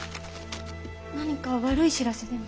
何か悪い知らせでも？